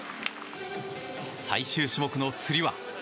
最終種目のつり輪。